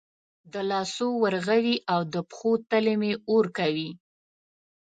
د لاسو ورغوي او د پښو تلې مې اور کوي